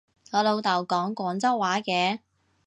我老豆講廣州話嘅